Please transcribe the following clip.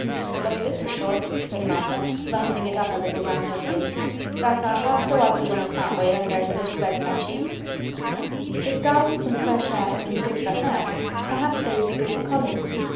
"It looks it, for sure," said Martha, ruffling it up a little round her face. "Tha'rt not half so ugly when it's that way an' there's a bit o' red in tha' cheeks." If gardens and fresh air had been good for her perhaps they would be good for Colin.